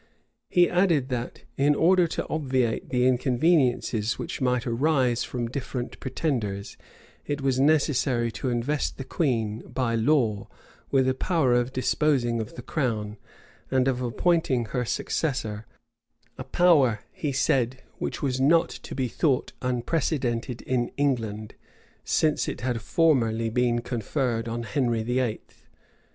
He added, that, in order to obviate the inconveniencies which might arise from different pretenders, it was necessary to invest the queen, by law, with a power of disposing of the crown, and of appointing her successor: a power, he said, which was not to be thought unprecedented in England, since it had formerly been conferred on Henry VIII.[*] * Dépêches de Noailles.